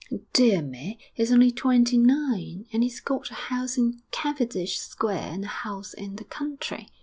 'Dear me, he's only twenty nine.... And he's got a house in Cavendish Square and a house in the country.